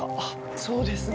そうですね。